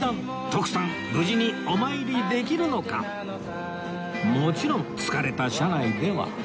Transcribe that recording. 徳さんもちろん疲れた車内では